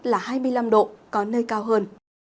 là hai mươi năm độ có nơi cao hơn